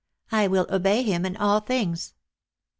I will obey him in all things."